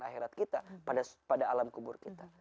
akhirat kita pada alam kubur kita